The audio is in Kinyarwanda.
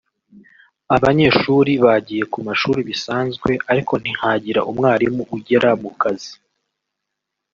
abanyeshuri bagiye ku mashuri bisanzwe ariko ntihagira umwarimu ugera mu kazi